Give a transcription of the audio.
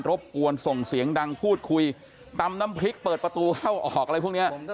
บกวนส่งเสียงดังพูดคุยตำน้ำพริกเปิดประตูเข้าออกอะไรพวกนี้